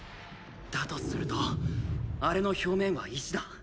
だとするとあれの表面は石だ。